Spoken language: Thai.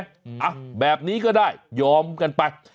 อ่ะแบบนี้ก็ได้ยอมกันไป